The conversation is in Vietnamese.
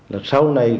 là sau này